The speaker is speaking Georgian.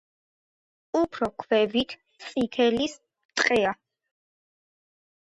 უფრო ქვევით წიფლის ტყეა.